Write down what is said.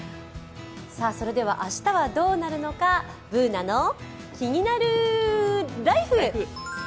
それでは明日はどうなるのか「ＢｏｏｎａのキニナルＬＩＦＥ」。